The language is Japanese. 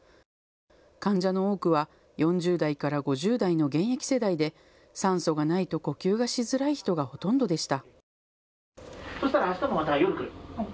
患者の多くは４０代から５０代の現役世代で酸素がないと呼吸がしづらい人がほとんどでした。